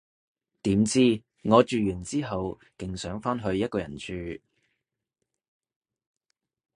點知，我住完之後勁想返去一個人住